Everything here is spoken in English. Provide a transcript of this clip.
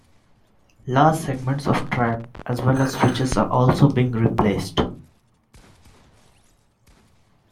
Large segments of track, as well as switches, are also being replaced.